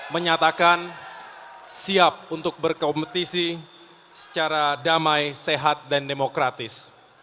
menyatakan siap untuk berkompetisi secara damai sehat dan demokratis